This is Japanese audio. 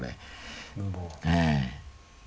ええ。